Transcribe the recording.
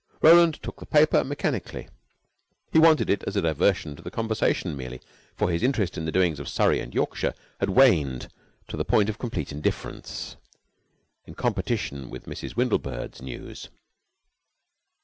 Roland took the paper mechanically. He wanted it as a diversion to the conversation merely, for his interest in the doings of Surrey and Yorkshire had waned to the point of complete indifference in competition with Mrs. Windlebird's news.